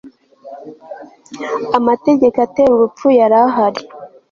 amategeko atera urupfu yari ahari